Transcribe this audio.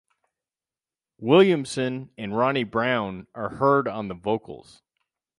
Williamson and Ronnie Browne are heard on the vocals.